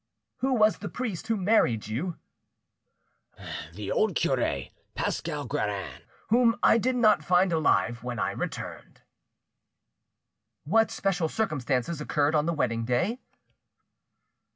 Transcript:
"Who was the priest who married you?" "The old cure, Pascal Guerin, whom I did not find alive when I returned." "What special circumstances occurred on the wedding day?"